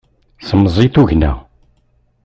Semẓi tugna.